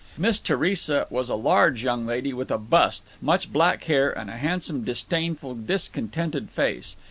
Miss Theresa was a large young lady with a bust, much black hair, and a handsome disdainful discontented face.